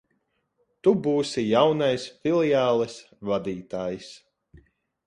Tu būsi jaunais filiāles vadītājs.